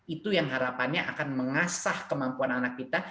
itu yang harapannya akan mengasah kemampuan anak kita